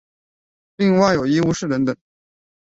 另外有医务室等等。